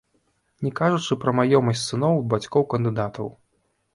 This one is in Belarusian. Не кажучы пра маёмасць сыноў і бацькоў кандыдатаў.